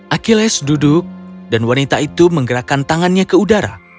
achilles duduk dan wanita itu menggerakkan tangannya ke udara